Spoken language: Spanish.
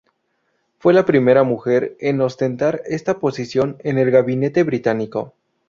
Fue la primera mujer en ostentar esta posición en el Gabinete británico.